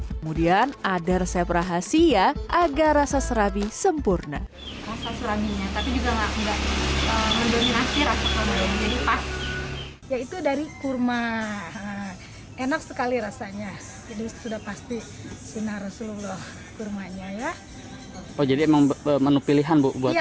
kemudian ada resep rahasia agar rasa serabi sempurna